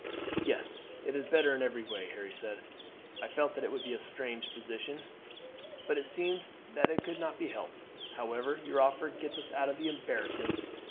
"Yes, it is better in every way," Harry said. "I felt that it would be a strange position, but it seemed that it could not be helped; however, your offer gets us out of the embarrassment.